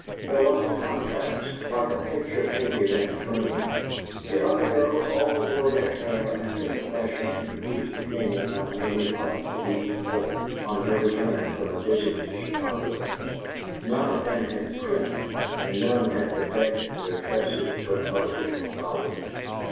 There was the contrast, like a picture painted and framed. The other girls all wore their hair after the fashion introduced to Canaan by Mamie Pike the week before, on her return from a visit to Chicago. None of them had "crimped" and none had bedecked their tresses with artificial flowers.